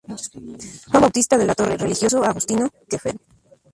Juan Bautista de la Torre, religioso agustino, que Fr.